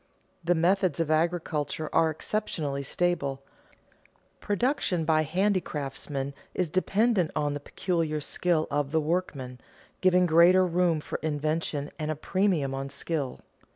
The methods of agriculture are exceptionally stable; production by handicraftsmen is dependent on the peculiar skill of the workman, giving greater room for invention and a premium on skill.